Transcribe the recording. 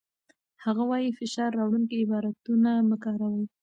هغه وايي، فشار راوړونکي عبارتونه مه کاروئ.